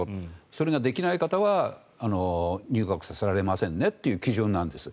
それができない方は入閣させられませんねという基準なんです。